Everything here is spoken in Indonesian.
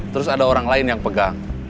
terus ada orang lain yang pegang